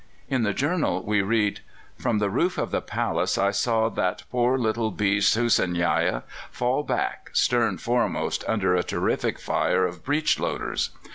In the journal we read: "From the roof of the palace I saw that poor little beast Hussineyeh fall back, stern foremost, under a terrific fire of breechloaders.